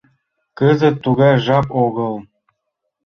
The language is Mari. Кызыт тугай жап огыл!